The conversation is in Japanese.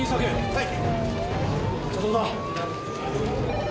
はい！